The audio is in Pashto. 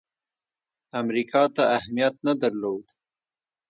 امریکا ته اهمیت نه درلود.